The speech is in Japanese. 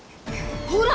ほら！